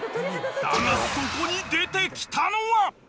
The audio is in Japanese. ［だがそこに出てきたのは］